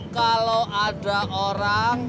kalau ada orang